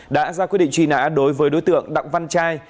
đã ra quyết định truy nã đối với đối tượng đặng văn trai